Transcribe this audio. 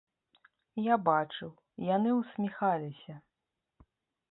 Я бачыў, яны ўсміхаліся!